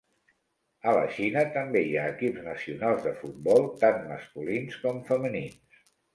A la Xina també hi ha equips nacionals de futbol tant masculins com femenins.